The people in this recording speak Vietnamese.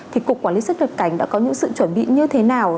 thì cục quản lý sức lập cảnh đã có những sự chuẩn bị như thế nào